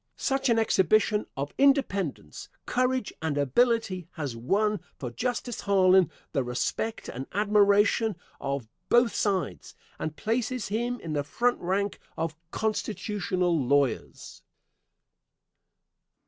Such an exhibition of independence, courage and ability has won for Justice Harlan the respect and admiration of "both sides," and places him in the front rank of constitutional lawyers.